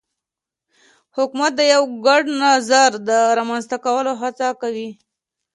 حکومت د یو ګډ نظر د رامنځته کولو هڅه کوي